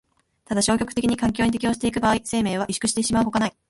ただ消極的に環境に適応してゆく場合、生命は萎縮してしまうのほかない。